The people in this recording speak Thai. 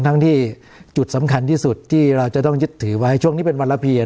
ทั้งที่จุดสำคัญที่สุดที่เราจะต้องยึดถือไว้ช่วงนี้เป็นวันละเพียร